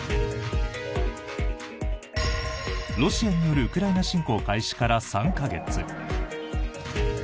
ロシアによるウクライナ侵攻開始から３か月。